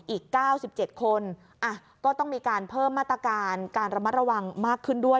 อีก๙๗คนก็ต้องมีการเพิ่มมาตรการการระมัดระวังมากขึ้นด้วย